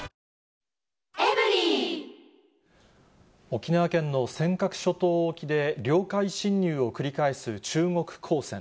沖縄県の尖閣諸島沖で領海侵入を繰り返す中国公船。